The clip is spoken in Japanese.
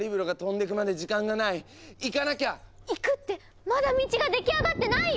行くってまだ道が出来上がってないよ！